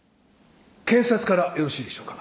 検察からよろしいでしょうか。